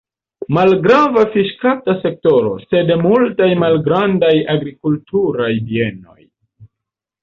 Malgrava fiŝkapta sektoro, sed multaj malgrandaj agrikulturaj bienoj.